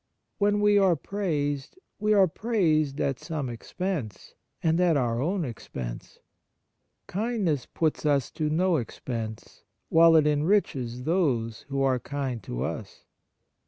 When we are praised, we are praised at some expense, and at our own expense. Kindness puts us to no expense, while it enriches those who are kind to us.